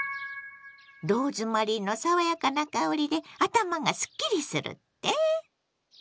「ローズマリーの爽やかな香りで頭がすっきりする」って？